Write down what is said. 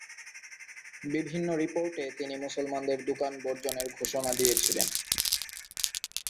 বিভিন্ন রিপোর্টে তিনি মুসলমানদের দোকান বর্জনের ঘোষণাদিয়েছিলেন।